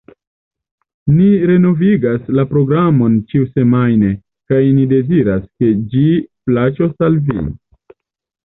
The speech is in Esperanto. Ni renovigas la programon ĉiusemajne, kaj ni deziras, ke ĝi plaĉos al vi!